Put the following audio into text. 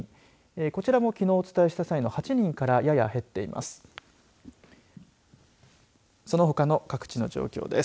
こちらもきのうお伝えした際の８人からやや減っています。